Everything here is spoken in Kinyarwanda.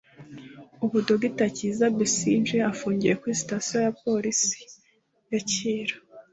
ubu Dr Kizza Besigye afungiwe kuri sitasiyo ya polisi ya Kira